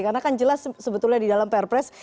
karena kan jelas sebetulnya di dalam kodek